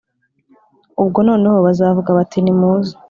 Ubwo noneho bazavuga bati nimuze